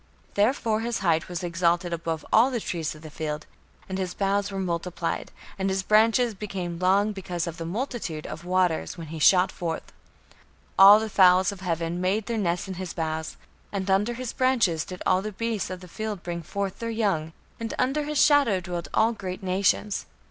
Therefore his height was exalted above all the trees of the field, and his boughs were multiplied, and his branches became long because of the multitude of waters when he shot forth. All the fowls of heaven made their nests in his boughs, and under his branches did all the beasts of the field bring forth their young, and under his shadow dwelt all great nations.